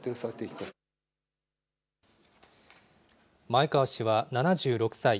前川氏は７６歳。